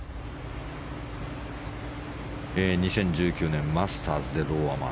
２０１９年マスターズでローアマ。